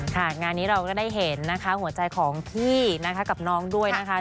ค่ะงานนี้เราก็ได้เห็นนะคะหัวใจของพี่นะคะกับน้องด้วยนะคะ